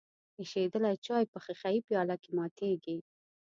ایشیدلی چای په ښیښه یي پیاله کې ماتیږي.